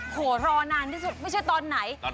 โหรอนานที่สุดไม่ใช่ตอนไหน